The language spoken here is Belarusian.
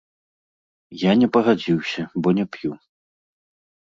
Я не пагадзіўся, бо не п'ю.